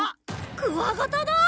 クワガタだ！